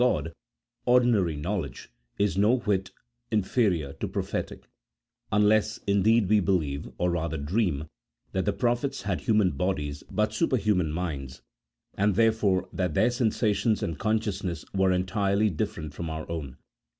God, ordinary knowledge is no whit inferior to prophetic, unless indeed we believe, or rather dream, that the prophets had human bodies but superhuman minds, and therefore that their sensations and consciousness were entirely different from our own.